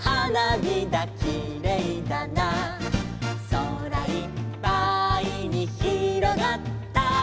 「空いっぱいにひろがった」